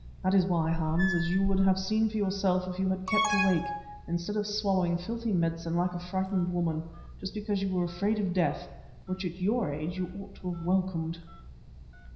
That is why, Hans, as you would have seen for yourself if you had kept awake, instead of swallowing filthy medicine like a frightened woman, just because you were afraid of death, which at your age you ought to have welcomed."